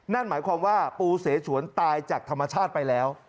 นั่นหมายความว่าปูเสฉวนตายจากธรรมชาติไปแล้ว